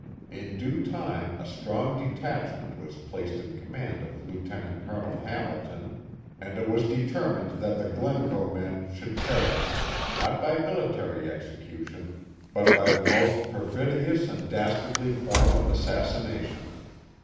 In due time a strong detachment was placed in command of Lieutenant Colonel Hamilton, and it was determined that the Glencoe men should perish, not by military execution, but by the most per fidious and dastardly form of assassination.